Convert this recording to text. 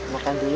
makan dulu ya